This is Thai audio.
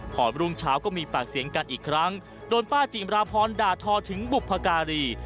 พอรุ่งเช้าก็มีปากเสียงกันอีกครั้งโดนป้าจิมราพรด่าทอถึงบุพการี